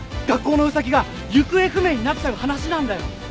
学校のウサギが行方不明になっちゃう話なんだよ。